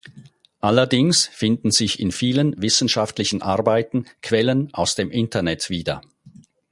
Allerdings finden sich in vielen wissenschaftlichen Arbeiten Quellen aus dem Internet wieder.